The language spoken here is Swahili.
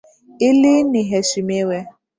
Ili niheshimiwe.